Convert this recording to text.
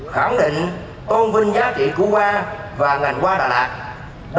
khẳng định tôn vinh giá trị của hoa và ngành hoa đà lạt